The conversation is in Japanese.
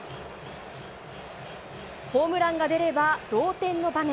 ホームランが出れば同点の場面。